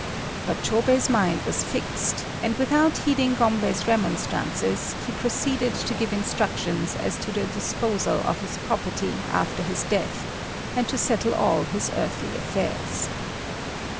But Chôbei's mind was fixed, and, without heeding Gombei's remonstrances, he proceeded to give instructions as to the disposal of his property after his death, and to settle all his earthly affairs.